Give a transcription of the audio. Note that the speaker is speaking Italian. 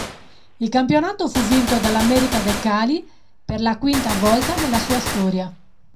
Il campionato fu vinto dall'América de Cali per la quinta volta nella sua storia.